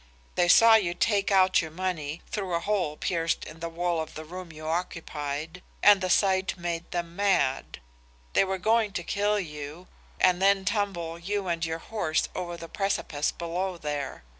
They saw you take out your money, through a hole pierced in the wall of the room you occupied, and the sight made them mad. They were going to kill you and then tumble you and your horse over the precipice below there.